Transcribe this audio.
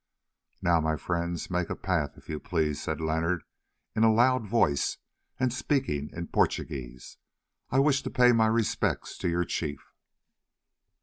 "Now, my friends, make a path, if you please," said Leonard in a loud voice and speaking in Portuguese. "I wish to pay my respects to your chief."